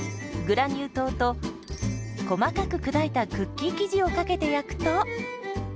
グラニュー糖と細かく砕いたクッキー生地をかけて焼くと。